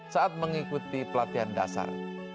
saat mengikuti pelatihan dasar